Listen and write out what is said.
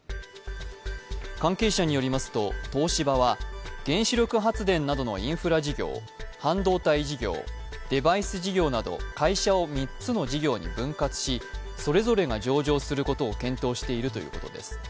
関係者によりますと、東芝は原子力発電などのインフラ事業、半導体事業、デバイス事業など会社を３つの事業に分割しそれぞれが上場することを検討しているということです。